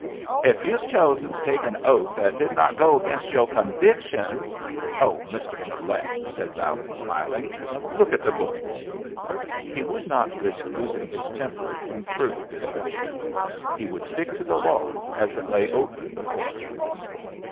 "If you have chosen to take an oath that did not go against yoh convictions " "Oh, Mr. Gilet!" said Ballard, smiling. "Look at the book." He would not risk losing his temper through further discussion. He would stick to the law as it lay open before them.